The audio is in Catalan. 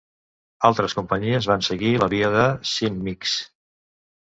Altres companyies van seguir la via de Symyx.